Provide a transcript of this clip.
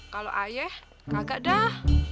kalau ayah kagak dah